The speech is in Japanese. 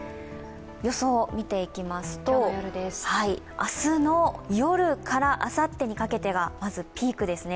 予想、見ていきますと、明日の夜からあさってにかけてはピークですね。